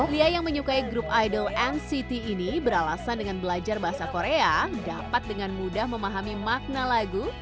lia yang menyukai grup idol nct ini beralasan dengan belajar bahasa korea dapat dengan mudah memahami makna lagu